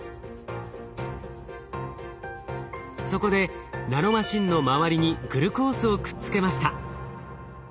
そこでナノマシンの周りにグルコースをくっつけました。